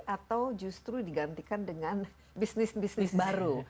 atau justru digantikan dengan bisnis bisnis baru